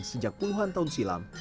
sejak puluhan tahun silam